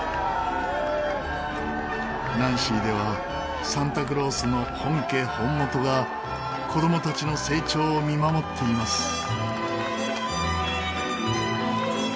ナンシーではサンタクロースの本家本元が子供たちの成長を見守っています。